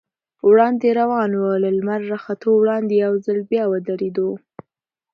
وړاندې روان و، له لمر راختو وړاندې یو ځل بیا ودرېدو.